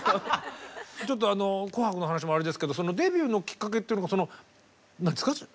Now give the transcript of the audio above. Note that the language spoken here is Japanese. あの「紅白」の話もあれですけどデビューのきっかけっていうのがその何ですか？